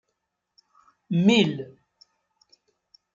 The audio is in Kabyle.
Mil.